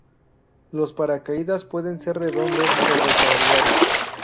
Los paracaídas pueden ser redondos o rectangulares.